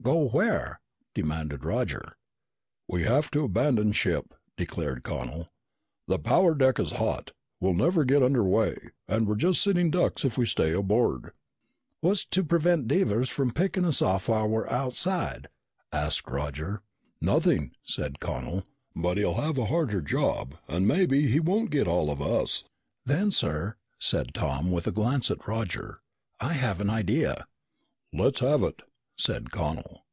"Go where?" demanded Roger. "We have to abandon ship," declared Connel. "The power deck is shot. We'll never get under way, and we're just sitting ducks if we stay aboard." "What's to prevent Devers from picking us off while we're outside?" asked Roger. "Nothing," said Connel. "But he'll have a harder job and maybe he won't get all of us." "Then, sir," said Tom with a glance at Roger, "I have an idea." "Let's have it," said Connel.